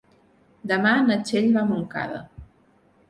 Demà na Txell va a Montcada.